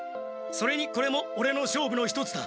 それにこれもオレの勝負の一つだ。